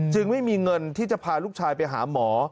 ไม่มีเงินที่จะพาลูกชายไปหาหมอ